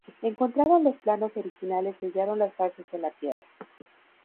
Encontraron los planos originales y hallaron las bases en la tierra.